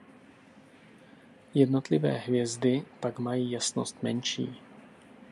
Jednotlivé hvězdy pak mají jasnost menší.